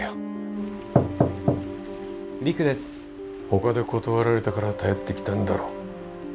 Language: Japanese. ほかで断られたから頼ってきたんだろ。